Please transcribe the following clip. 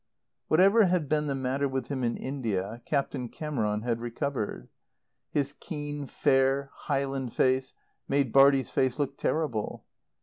Whatever had been the matter with him in India, Captain Cameron had recovered. His keen, fair, Highland face made Bartie's face look terrible.